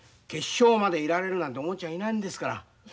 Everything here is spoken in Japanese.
決勝までいられるなんて思っちゃいないんですから。